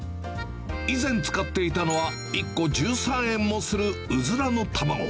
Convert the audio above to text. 以前使っていたのは、１個１３円もするウズラの卵。